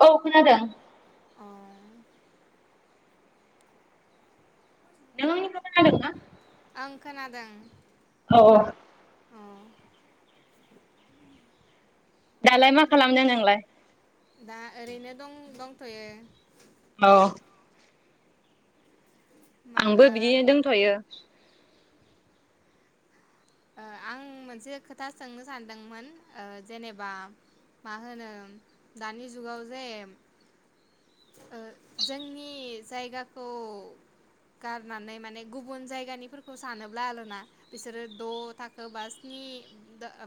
औ खोनादों खोनादों ना? आं खोनादों। औ औ दालाय मा खालामदों नोंलाय ओरैनो दं दंथ'यो। औ आंबो बिदिनो दंथ'यो। ओ आं मोनसे खोथा सोंनो सानदोंमोन ओ जेनेबा मा होनो दानि जुगाव जे ओ जोंनि जायगाखौ गारनानै माने गुबुन जायगानिफोरखौ सानोब्ला आरो ना बिसोरो द थाखो बा स्नि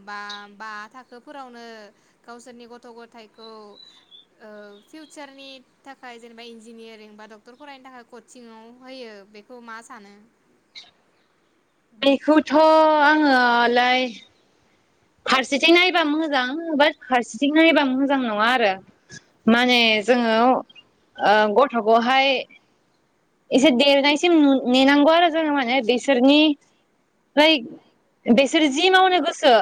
बा बा थाखोफोरावनो गावसोरनि गथ गथायखौ फिउचारनि थाखाय जेनेबा इन्जिनियारिं बा डक्टर फरायनो थाखाय कचिंआव होयो बेखौ मा सानो। बेखौथ' आङोलाय फारसेथिं नायबा मोजां बाट फारसेथिं नायबा मोजां नङा आरो माने जोङो ओ गथ'खौहाय एसे देरनायसिम नेनांगौ आरो जोङो माने बिसोरनि फ्राय बिसोर जि मावनो गोसो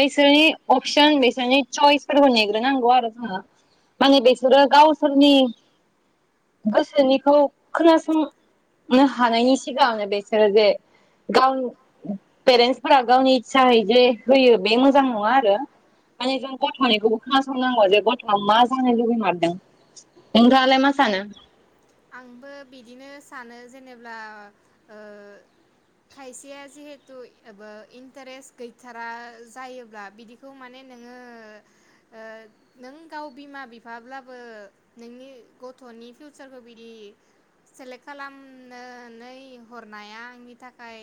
बेसोरनि अपसन बिसोरनि चयसफोरखौ नेग्रोनांगौ आरो जोङो माने बेसोरो गावसोरनि गोसोनिखौ खोनासंनो हानायनि सिगाङांनो बिसोरो जे गाव पेरेन्टसफोरा गावनि इसाहै जे होयो बे मोजां नङा आरो माने जों गथ'निखौबो खोनासंनांगौ जे गथ' आ मा जानो लुुबैमारदों नोंथाङालाय मा सानो आंबो बिदिनो सानो जेनेब्ला ओ खायसेया जिहेथु इन्टारेस्ट गैथारा जायोब्ला बिदिखौ माने नोङो ओ नों गाव बिमा बिफाब्लाबो नोंनि गथ' नि फिउचारखौ बि इ सेलेक्ट खालामनानै हरनाया आंनि थाखाय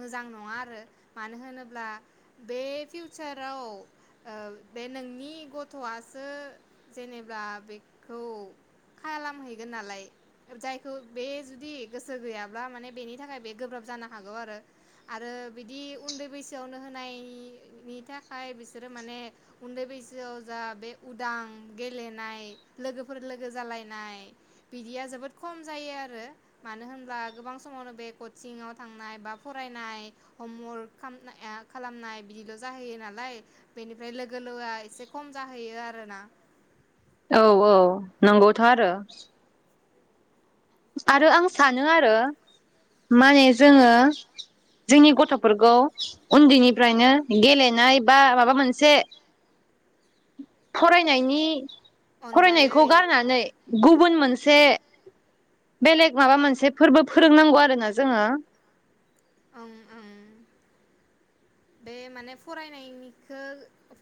मोजां नङा आरो मानो होनोब्ला बे फिउचाराव बे नोंनि गथ'आसो जेनेबा बेखौ खालामहैगोन नालाय जायखौ बे जुदि गोसो गैयाब्ला माने बेनि थाखाय बे गोब्राब जानो हागौ आरो आरो बिदि उन्दै बैसोआवनो होनाय नि थाखाय बिसोरो माने उन्दै बैसोआव जा बे उदां गेलेनाय लोगोफोर लोगो जालायनाय बिदिया जोबोद खम जायो आरो मानो होनब्ला गोबां समावनो बे कचिंआव थांनाय बा फरायनाय हमवर्क खालामनाय बिदिल जाहैयो नालाय बेनिफ्राय लोगो लेवाया एसे खम जाहैयो आरोना औ औ नंगौथ' आरो। आरो आं सानो आरो माने जोङो जोंनि गथ'फोरखौ उन्दैनिफ्रायनो गेलेनाय बा माबा मोनसे फरायनायनि फरायनायखौ गारनानै गुबुन मोन से बेलेग माबा मोनसे फोरबो फोरोंनांगौ आरोना जोंङो। ओं ओं बे माने फरायनायनिखो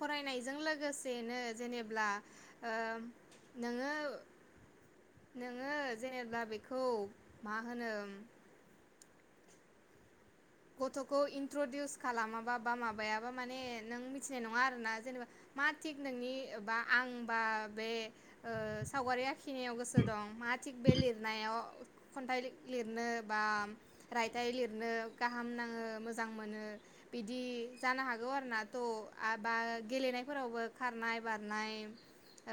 फरायनायजों लोगोसेनो जेनेब्ला ओ नोङो नोङो जेनेबा बेखौ मा होनो? गथ'खौ इन्ट्रडिउस खालामाबा बा माबायाबा माने नों मिथिनाय नङा आरोना जेनेबा मा थिग नोंनि बा आं बा बे ओ सावगारि आखिनायाव गोसो दं मा थिग बे लिरनायाव खन्थाइ लिरनो बा रायथाइ लिरनो गाहाम नाङो मोजां मोनो बिदि जानो हागौ आरोना थ' बा गेलेनायफोरावबो खारनाय बारनाय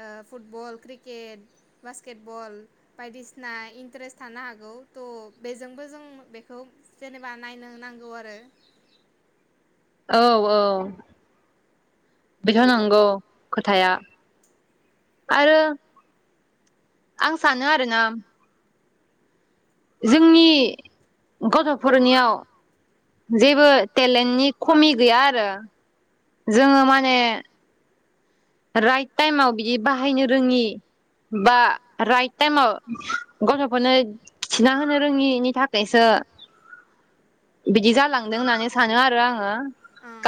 ओ फुटबल क्रिकेट बास्केटबल बायदिसिना इन्टारेस्ट थानो हागौ थ' बेजोंबो जों बेखौ जेनेबा नायनो नांगौ आरो औ औ बेथ' नंगौ खोथाया आरो आं सानो आरोना जोंनि गथफोरनियाव जेबो टेलेन्टनि खमि गैया आरो जोंङो माने राइट टाइमाव बिदि बाहायनो रोङि बा राइट टाइमाव गथ'फोरनो थिना होनो रोङिनि थाखायसो बिदि जालांदों होननानै सानो आरो आङो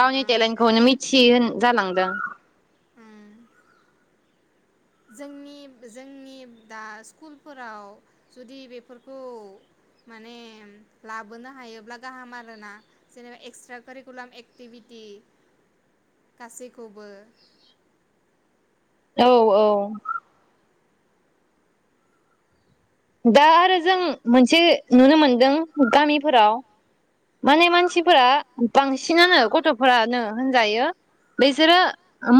गावनि टेलेन्टखौनो मिथियि जालांदों। जोंनि जोंनि दा स्कुलफोराव जुदि बेफोरखौ माने लाबोनो हायोब्ला गाहाम आरोना जेनेबा एक्सट्रा कारिकुलाम एक्टिभिटि गासैखौबो औ औ दा आरो जों मोनसे नुनो मोनदों गामिफोराव माने मानसिफोरा बांसिनानो गथ'फोरानो होनजायो बेसोरो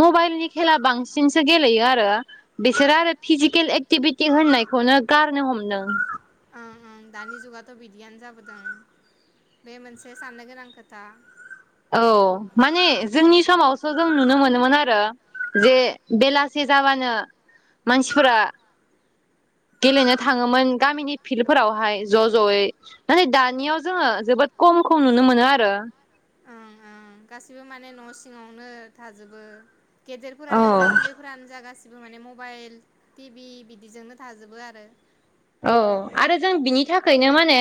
मबाइलनि खेला बांसिनसो गेलेयो आरो बेसोरो आरो फिजिकेल एक्टिभिटि होननायखौनो गार नो हमदों। दानि जुगाथ बिदियानो जाबोदों बे मोनसे साननो गोनां खोथा। औ माने जोंनि समावसो जों नुनो मोनोमोन आरो जे बेलासे जाबानो मानसिफोरा गेलेनो थाङोमोन गामिनि फिल्डफोरावहाय ज जयै माने दानियाव जोंङो जोबोद खम खम नुनो मोनो आरो। गासैबो माने न' सिङावनो थाजोबो गेदेरफोरानो जा उन्दैफोरानो जागा गासिबो माने मबाइल टिभि बिदिजोंनो थाजोबो आरो। औ आरो जों बिनि थाखायनो माने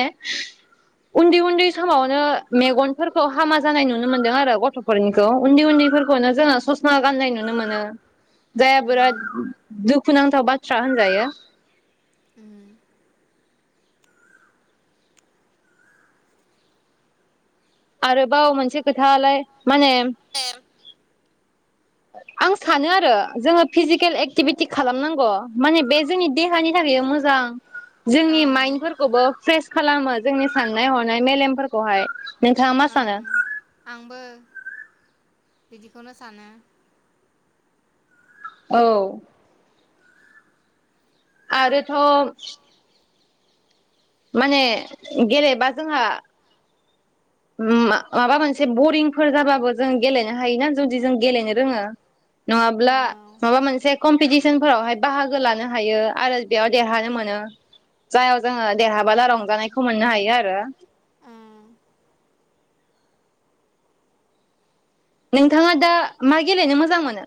उन्दै उन्दै समावनो मेगनफोरखौ हामा जानाय नुनो मोनदों आरो गथ'फरनिखौ उन्दै उन्दैफोरखौनो जोङो ससमा गाननाय नुनो मोनो। [unintelligible] दुखुनांथाव बाथ्रा होनजायो। आरोबाव मोनसे खोथालाय माने आं सानो आरो जोङो फिजिकेल एक्टिभिटि खालामनांगौ माने बे जोंनि देहानि थाखाय मोजां जोंनि माइन्डफोरखौबो फ्रेस खालामो जोंनि साननाय हनाय मेलेमफोरखौहाय, नोंथाङा मा सानो? आंबो बिदिखौनो सानो। औ। आरोथ माने गेलेबा जोंहा मा-माबा मोनसे बरिंफोर जाबाबो जों गेलेनो हायोना जुदि जों गेलेनो रोङो नङाब्ला माबा मोनसे कम्पिटिसनफोरावहाय बाहागो लानो हायो आरो बेयाव देरहानो मोनो जायाव जोङो देरहाबोला रंजानायखौ मोननो हायो आरो। नोंथाङा दा मा गेलेनो मोजां मोनो?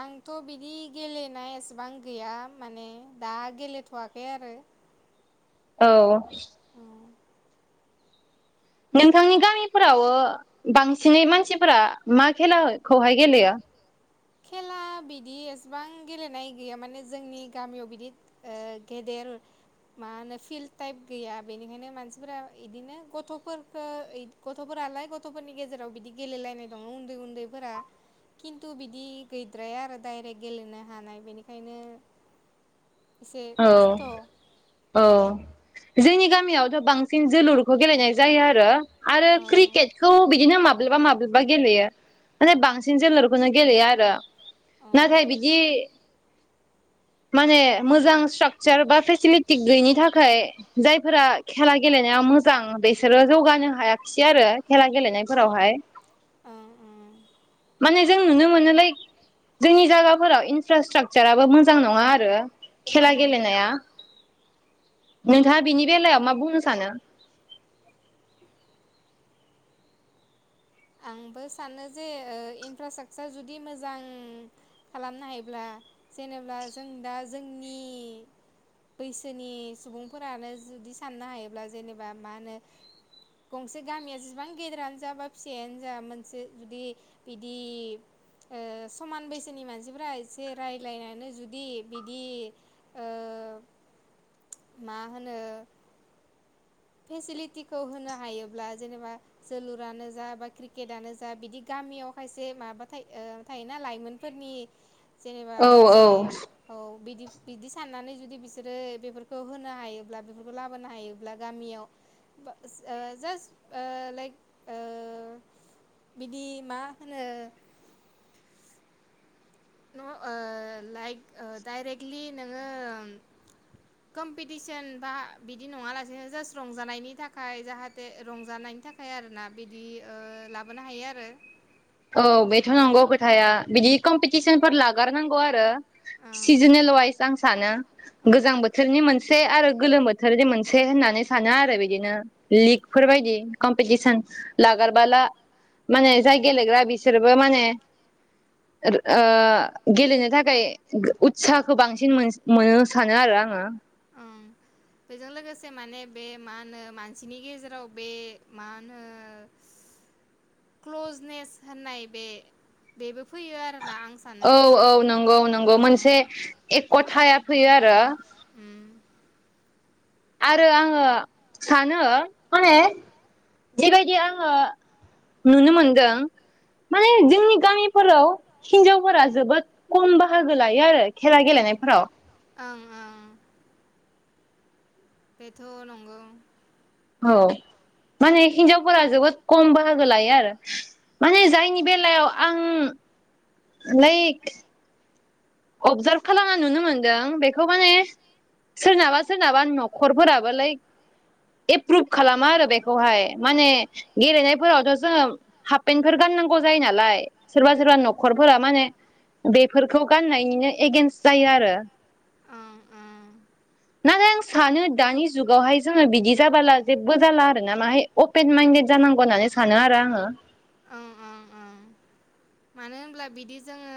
आंथ बिदि गेलेनाय एसेबां गैया माने दा गेलेथवाखै आरो। औ। [inaudible] नोंथांनि गामिफोराव ओ बांसिनै मानसिफोरा मा खेलाखौहाय गेलेयो? दा बिदि एसेबां गेलेनाय गैया माने जोंनि गामियाव बिदि ओ गेदेर मा होनो फिल्ड टाइप गैया बेनिखायनो मानसिफोरा बिदिनो गथफोरखौ गथफोरालाय गथफोरनि गेजेराव बिदि गेलेलायनाय दङ उन्दै उन्दैफोरा खिन्थु बिदि गैद्राया आरो दायरेक्ट गेलेनो हानाय बेनिखायनो औ औ जोंनि गामि यावथ' बांसिन जोलुरखौ गेलेनाय जायो आरो। आरो क्रिकेटखौ बिदिनो माब माब्लाबा माब्लाबा गेलेयो माने बांसिन जोलुरखौनो गेलेयो आरो। नाथाय बिदि माने मोजां स्ट्राकसार भेसिलिटि गैयैनि थाखाय जायफोरा खेला गेलेनाया मोजां बिसोरो जौगानो हायाखिसै आरो खेला गेलेनायफोरावहाय। माने जों नुनो मोनो लाइक जोंनि जायगाफोराव इनफ्रास्ट्राकसाराबो मोजां नङा आरो खेला गेलेनाया नोंथाङा बिनि बेलायाव मा बुंनो सानो? आंबो सानो जे इनफ्रास्ट्राकसार जुदि मोजां खालामनो हायोब्ला जेनेबा जों दा जोंनि बैसोनि सुबुंफोरानो जुदि साननो हायोब्ला जेनेबा मा होनो गंसे गामिया जेसेबां गेदेरानो जा बा फिसायानो जा मोनसे जुदि बिदि ओ समान ओ बैसोनि मानसिफ्रा एसे रायलायनानै जुदि बिदि ओ मा होनो भेसिलिटिखौ होनो हायोब्ला जेनेबा जोलुरानो जा बा क्रिकेटानो जा बिदि गामियाव खायसे माबा था ओ थायोना लाइमोनफोरनि जेनेबा मोनसे औ बिदि बिदि साननानै जुदि बिसोरो बेफोरखौ होनो हायोब्ला बेफोरखौ लाबोनो हायोब्ला गामियाव ओ जास्ट ओ लाइक ओ बिदि मा होनो न लाइक डाइरेक्टलि नोङो कम्पिटिसन बा बिदि नङा लासेनो जास्ट रंजानायनि थाखाय जाहाथे रंजानायनि थाखाय आरोना बिदि ओ लाबोनो हायो आरो। औ बेथ' नंगौ खोथाया बिदि कम्पिटिसनफोर लागोरनांगौ आरो। सिजनेल वाइस आं सानो गोजां बोथोरनि मोनसे आरो गोलोम बोथोरनि मोनसे होननानै सानो आरो बिदिनो लिगफोरबायदि कम्पिटिसन लागोरबोला माने जाय गेलेग्रा बिसोरबो माने ओ ओ गेलेनो थाखाय उत्साहखौ बांसिन मोनस-मोनो सानो आरो आङो। ओम बेजों लोगोसे माने बे मा होनो मानसिनि गेजेराव बे मा होनो क्लजनेस होननाय बे बेबो औ औ नंगौ नंगौ मोनसे एख थाया फैयो आरो उम आरो आङो सानो माने जिबायदि आङो नुनो मोनदों माने जोंनि गामिफोराव हिनजावफोरा जोबोद खम बाहागो लायो आरो खेला गेलेनायफोराव। ओं ओं बेथ नंगौ। औ माने हिनजावफोरा जोबोद कम बाहागो लायो आरो माने जायनि बेलायाव आं ओंलै। अबजार्भ खालामना नुनो मोनदों बेखौ माने सोरनाबा सोरनाबा नख'रफोराबोलै एप्रुभ खालामा आरो बेखौहाय माने गेलेनायफोरावथ' जोङो हाफपेन्टफोर गाननांगौ जायो नालाय सोरबा सोरबा नख'रफोरा माने बेफोरखौ गाननायनिनो एगेन्स्ट जायो आरो। नाथाय आं सानो दानि जुगावहाय जोङो बिदि जाबोला जेबो जाला आर ना माहाय अपेन माइन्दडेद जानांगौ होननानै सानो आरो आङो ओं ओं मानो होनब्ला बिदि जोङो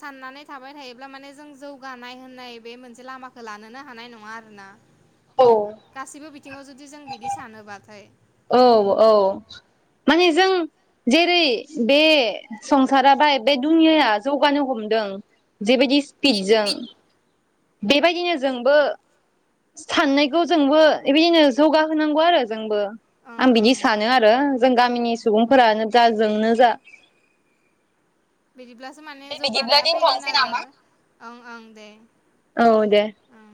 साननानै थाबाय थायोब्ला माने जों जौगानाय होननाय बे मोनसे लामाखौ लानोनो हानाय नङा आरोना। गासिबो बि बिथिङाव जुदि जों बिदि सानोब्लाथाय औ औ माने जों जेरै बे संसारा बाय बे दुनियाया जौगानो हमदों जेबायदि स्पिडजों। बेबायदिनो जोंबो साननायखौ जोंबो बेबायदिनो जौगाहोनांगौ आरो जोंबो आं बिदि सानो आरो जों गामिनि सुबुंफोरानो जा जोंनो जा। बिदिब्लासो माने जौगानाया फैगोन आरो ओं ओं दे ओं।